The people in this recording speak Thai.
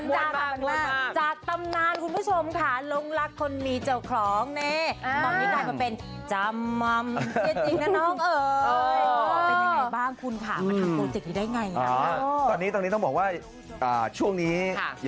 จากตำนานคุณผู้ชมค่ะร่องรักคนมีเจ้าของ